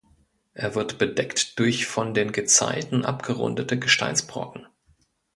Er wird bedeckt durch von den Gezeiten abgerundete Gesteinsbrocken.